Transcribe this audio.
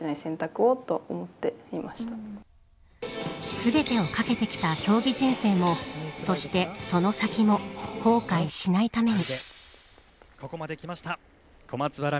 全てを懸けてきた競技人生もそして、その先も後悔しないために。